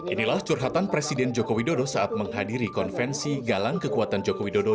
inilah curhatan presiden joko widodo saat menghadiri konvensi galang kekuatan joko widodo